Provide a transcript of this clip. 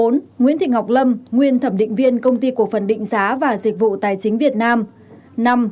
bốn nguyễn thị ngọc lâm nguyên thẩm định viên công ty cổ phần định giá và dịch vụ tài chính việt nam